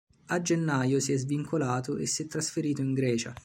A gennaio si è svincolato e si è trasferito in Grecia.